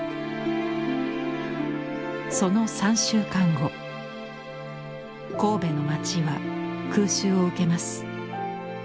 その３週間後神戸の街は空襲を受けます。